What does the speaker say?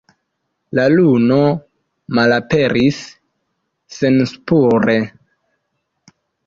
La luno malaperis senspure.